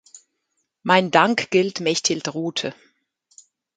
Mein Dank gilt Mechtild Rothe.